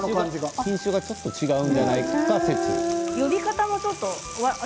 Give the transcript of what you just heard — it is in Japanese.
品種ちょっと違うんじゃないかな説がね。